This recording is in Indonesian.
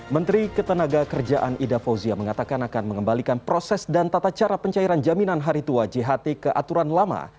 menteri ketenaga kerjaan ida fauzia mengatakan akan mengembalikan proses dan tata cara pencairan jaminan hari tua jht ke aturan lama